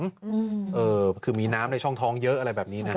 อืมเออคือมีน้ำในช่องท้องเยอะอะไรแบบนี้นะฮะ